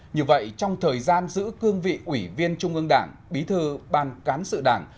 như vậy trong thời gian giữ cương vị ủy viên trung ương đảng bí thư ban cán sự đảng